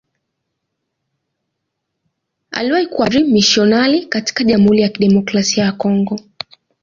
Aliwahi kuwa padri mmisionari katika Jamhuri ya Kidemokrasia ya Kongo.